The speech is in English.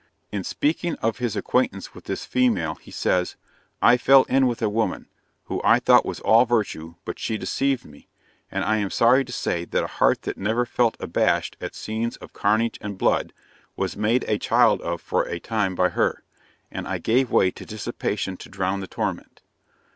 In speaking of his acquaintance with this female he says, "I fell in with a woman, who I thought was all virtue, but she deceived me, and I am sorry to say that a heart that never felt abashed at scenes of carnage and blood, was made a child of for a time by her, and I gave way to dissipation to drown the torment.